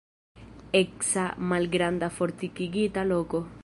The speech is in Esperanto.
Eksa malgranda fortikigita loko.